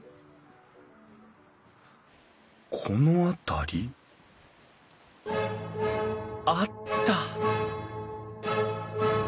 この辺り？あった！